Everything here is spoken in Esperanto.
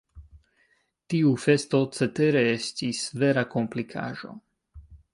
Tiu festo cetere estis vera komplikaĵo.